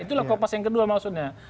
itulah kopas yang kedua maksudnya